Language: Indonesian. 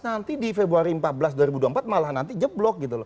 nanti di februari empat belas dua ribu dua puluh empat malah nanti jeblok gitu loh